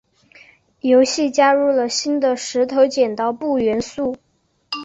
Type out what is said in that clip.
游戏加入了新的石头剪刀布元素。